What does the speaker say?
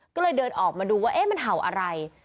ก็เลยเดินออกมาดูว่ามันเห่าอะไร